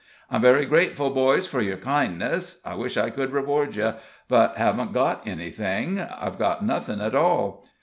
"I'm very grateful, boys, for your kindness I wish I could reward you; but haven't got anything I've got nothing at all.